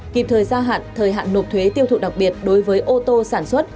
kịp thời gia hạn thời hạn nộp thuế tiêu thụ đặc biệt đối với ô tô sản xuất